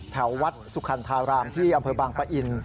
แถววัดสุคันธารามที่อำเภอบางปะอิน